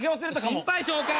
心配性か！